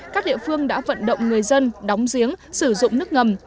các địa phương đã vận động người dân đóng giếng sử dụng nước ngầm